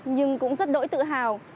nhưng cũng rất đỗi tự hào